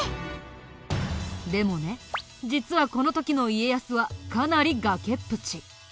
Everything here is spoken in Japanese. でもね実はこの時の家康はかなり崖っぷち。